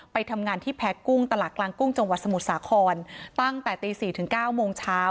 ไปทำงานที่แพ้กุ้งตลาดกลางกุ้งจังหวัดสมุทรสาครตั้งแต่ตี๔ถึง๙โมงเช้า